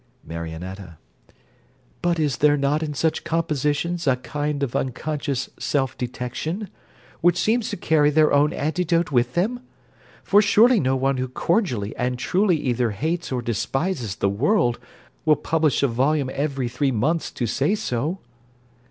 MARIONETTA But is there not in such compositions a kind of unconscious self detection, which seems to carry their own antidote with them? For surely no one who cordially and truly either hates or despises the world will publish a volume every three months to say so.